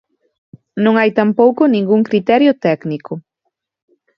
Non hai tampouco ningún criterio técnico.